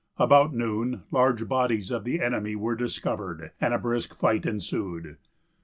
About noon large bodies of the enemy were discovered, and a brisk fight ensued.